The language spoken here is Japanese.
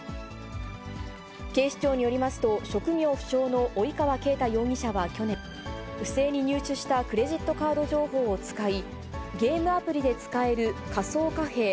警視庁によりますと、職業不詳の及川圭太容疑者は去年、不正に入手したクレジットカード情報を使い、ゲームアプリで使える仮想貨幣